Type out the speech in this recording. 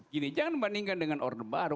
gini jangan dibandingkan dengan orang baru